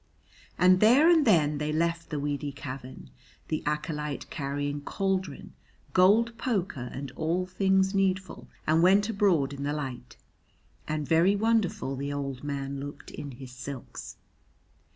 And there and then they left the weedy cavern, the acolyte carrying cauldron, gold poker and all things needful, and went abroad in the light. And very wonderful the old man looked in his silks.